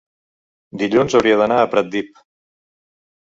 dilluns hauria d'anar a Pratdip.